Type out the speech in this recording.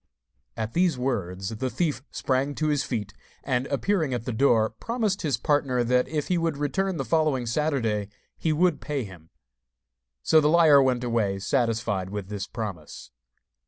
At these words the thief sprang to his feet, and, appearing at the door, promised his partner that if he would return the following Saturday he would pay him. So the liar went away satisfied with this promise.